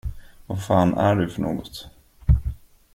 Vad fan är du för något?